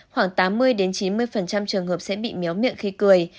khoảng tám mươi chín mươi trường hợp sẽ bị méo miệng khi cười